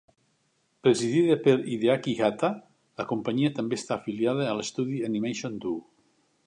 Presidida per Hideaki Hatta, la companyia també està afiliada a l'estudi Animation Do.